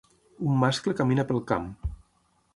Un mascle camina pel camp.